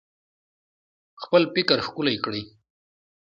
خپل فکر ښکلی کړئ